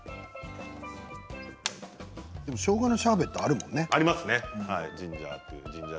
でもしょうがのシャーベットってあるものね。